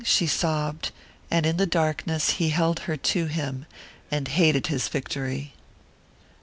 she sobbed; and in the darkness he held her to him and hated his victory.